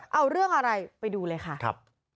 เอาเรื่องอะไรไปดูเลยค่ะครับ